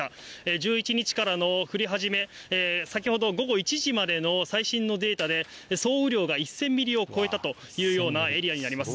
１１日からの降り始め、先ほど午後１時までの最新のデータで、総雨量が１０００ミリを超えたというようなエリアになります。